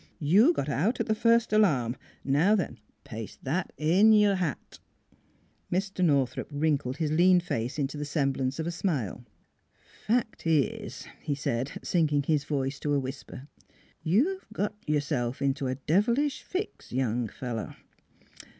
You got out at the first alarm. Now then paste that in your hat." Mr. Northrup wrinkled his lean face into the semblance of a smile. " Fact is," he said, sinking his voice to a whisper, " you've got yourself into a devilish fix, young fellow.